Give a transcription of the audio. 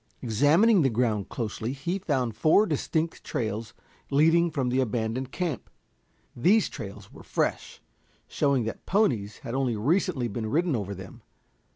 Examining the ground closely he found four distinct trails leading from the abandoned camp. These trails were fresh, showing that ponies had only recently been ridden over them.